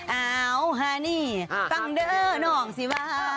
เอ่าฮานี่ต้องเด้อนองสิวะ